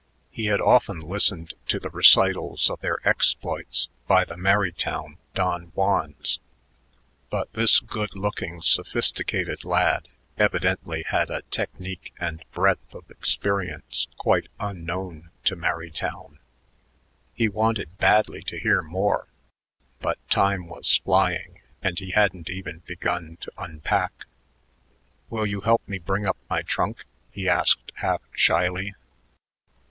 He had often listened to the recitals of their exploits by the Merrytown Don Juans, but this good looking, sophisticated lad evidently had a technique and breadth of experience quite unknown to Merrytown. He wanted badly to hear more, but time was flying and he hadn't even begun to unpack. "Will you help me bring up my trunk?" he asked half shyly.